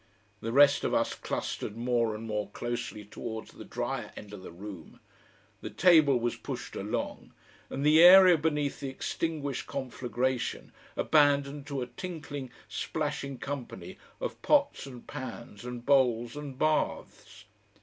The rest of us clustered more and more closely towards the drier end of the room, the table was pushed along, and the area beneath the extinguished conflagration abandoned to a tinkling, splashing company of pots and pans and bowls and baths.